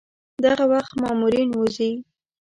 دغه وخت مامورین وځي.